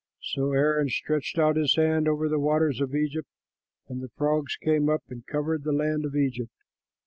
'" So Aaron stretched out his hand over the waters of Egypt; and the frogs came up and covered the land of Egypt.